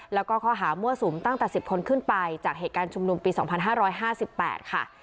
แล้วก็ข้อหามั่วสุมตั้งแต่๑๐คนขึ้นไปจากเหตุการณ์ชุมนุมปี๒๕๕๘ค่ะ